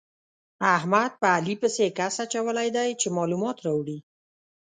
احمد په علي پسې کس اچولی دی چې مالومات راوړي.